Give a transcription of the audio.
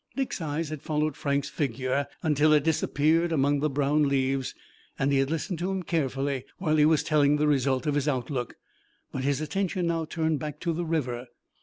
Dick's eyes had followed Frank's figure until it disappeared among the brown leaves, and he had listened to him carefully, while he was telling the result of his outlook, but his attention now turned back to the river.